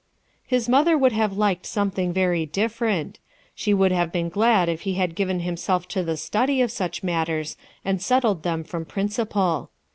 His mother would have liked something very different. She would have been glad if he had given himself to the study of such matters, and settled them from principle.